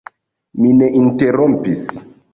Mi ne interrompis.